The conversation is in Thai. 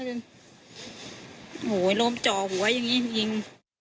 โอ้โหล้มจ่อหัวอย่างนี้จริง